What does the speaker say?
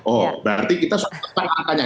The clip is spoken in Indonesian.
oh berarti kita sudah tepat angkanya